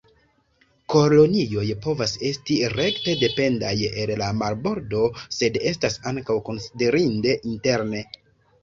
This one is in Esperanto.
Kolonioj povas esti rekte dependaj el la marbordo sed estas ankaŭ konsiderinde interne.